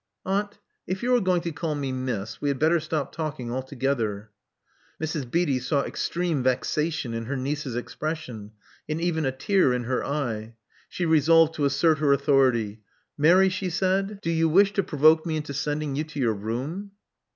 "Aunt, if you are going to call me *Miss,' we had better stop talking altogether." Mrs. Beatty saw extreme vexation in her niece's expression, and even a tear in her eye. She resolved to assert her authority. "Mary," she said: "do ii6 Love Among the Artists you wish to provoke me into sending you to your room?"